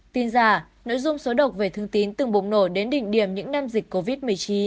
tin giả nội dung số độc về thương tín từng bùng nổ đến đỉnh điểm những năm dịch covid một mươi chín